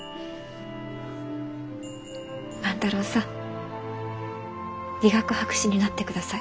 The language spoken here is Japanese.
万太郎さん理学博士になってください。